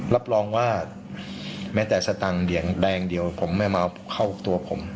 รับรองว่าแม้แต่สตังค์เดี๋ยวแดงเดียวผมไม่มาเข้าตัวผม